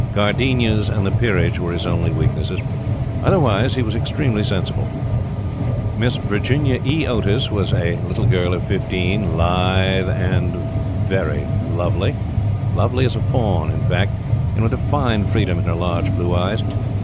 Gardenias and the peerage were his only weaknesses. Otherwise he was extremely sensible. Miss Virginia E. Otis was a little girl of fifteen, lithe and lovely as a fawn, and with a fine freedom in her large blue eyes.